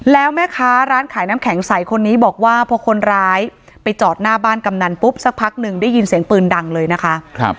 แล้วแม่ค้าร้านขายน้ำแข็งใสคนนี้บอกว่าพอคนร้ายไปจอดหน้าบ้านกำนันปุ๊บสักพักหนึ่งได้ยินเสียงปืนดังเลยนะคะ